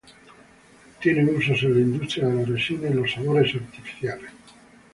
Tiene usos en la industria de la resina y los sabores artificiales.